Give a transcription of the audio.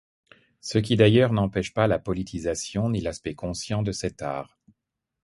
Ce qui d'ailleurs n'empêche pas la politisation ni l'aspect conscient de cet art.